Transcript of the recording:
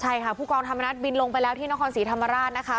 ใช่ค่ะผู้กองธรรมนัฐบินลงไปแล้วที่นครศรีธรรมราชนะคะ